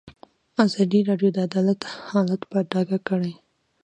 ازادي راډیو د عدالت حالت په ډاګه کړی.